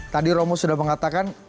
tadi romo sudah mengatakan